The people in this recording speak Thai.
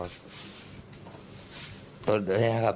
ขอโทษเลยนะครับ